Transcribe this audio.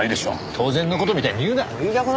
当然の事みたいに言うな！